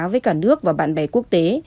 với cả nước và bạn bè quốc tế